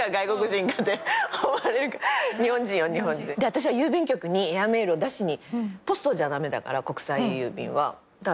私は郵便局にエアメールを出しにポストじゃ駄目だから国際郵便は。